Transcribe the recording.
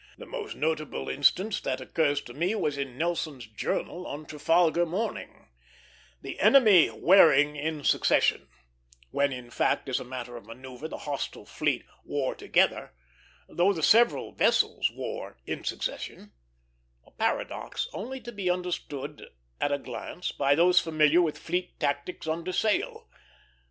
The most notable instance that occurs to me was in Nelson's journal on Trafalgar morning, "The enemy wearing in succession," when, in fact, as a matter of manoeuvre, the hostile fleet "wore together," though the several vessels wore "in succession;" a paradox only to be understood at a glance by those familiar with fleet tactics under sail.